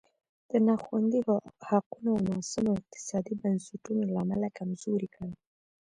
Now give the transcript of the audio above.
د نا خوندي حقونو او ناسمو اقتصادي بنسټونو له امله کمزوری کړل.